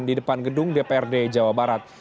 di depan gedung dprd jawa barat